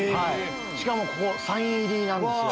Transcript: しかもサイン入りなんですよ。